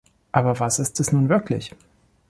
Aber was ist es nun wirklich?